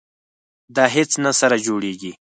دا هیڅ نه سره جوړیږي.